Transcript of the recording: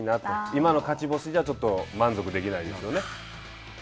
今の勝ち星じゃ、ちょっと満足できないですよね。